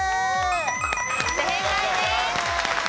正解です。